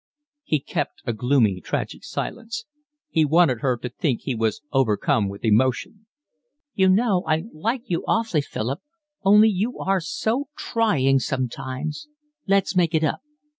He kept a gloomy, tragic silence. He wanted her to think he was overcome with emotion. "You know I like you awfully, Philip. Only you are so trying sometimes. Let's make it up."